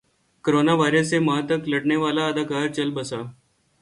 corona virus سے ماہ تک لڑنے والا اداکار چل بسا